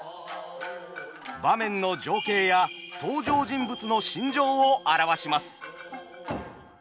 場面の情景や登場人物の心情を表します。